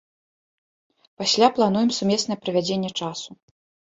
Пасля плануем сумеснае правядзенне часу.